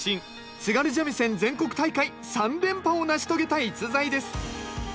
津軽三味線全国大会３連覇を成し遂げた逸材です